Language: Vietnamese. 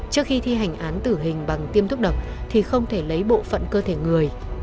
trước khi thi hành án tử hình bằng tiêm thuốc độc thì không thể lấy bộ phận cơ thể người